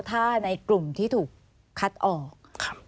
ถ้าในกลุ่มที่ถูกคัดออก